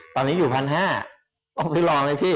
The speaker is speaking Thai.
๑๖๗๐ตอนนี้อยู่๑๕๐๐ต้องซื้อลองไหมพี่